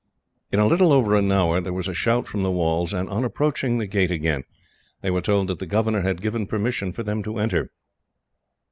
In little over an hour there was a shout from the walls, and on approaching the gate again, they were told that the governor had given permission for them to enter.